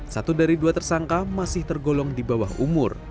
satu dari dua tersangka masih tergolong di bawah umur